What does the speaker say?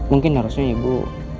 mungkin harusnya ibu